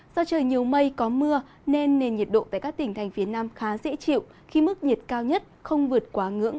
do trời nhiều mây có mưa nên nền nhiệt độ tại các tỉnh thành phía nam khá dễ chịu khi mức nhiệt cao nhất không vượt quá ngưỡng ba mươi hai độ